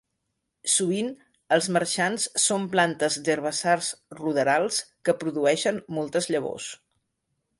Sovint els marxants són plantes d'herbassars ruderals que produeixen moltes llavors.